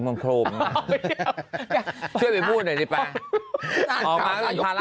เอ้าเดี๋ยว